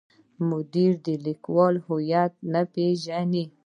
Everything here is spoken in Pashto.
مدیر د لیکوال هویت نه پیژني.